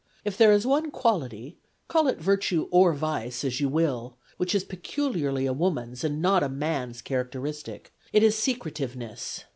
If there is one quality — call it virtue or vice, as you will — which is peculiarly a woman's and not a man's character istic, it is secretiveness.